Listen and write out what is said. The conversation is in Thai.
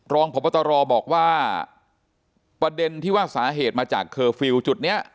รองพบตรบอกว่าประเด็นที่ว่าสาเหตุมาจากเคอร์ฟิลล์จุดนี้